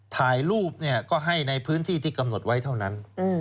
ถ่ายรูปก็ให้ในพื้นที่ที่กำหนดไว้เท่านั้น